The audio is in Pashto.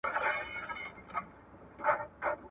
خپل نوکان په وخت واخلئ.